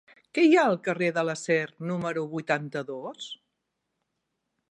Què hi ha al carrer de l'Acer número vuitanta-dos?